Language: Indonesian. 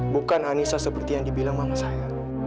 bukan anissa seperti yang dibilang mama saya